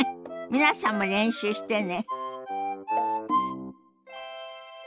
皆さんも練習してね。